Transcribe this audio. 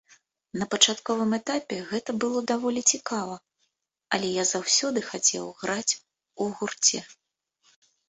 На пачатковым этапе гэта было даволі цікава, але я заўсёды хацеў граць у гурце.